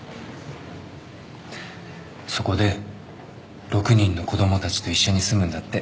そこで６人の子供たちと一緒に住むんだって。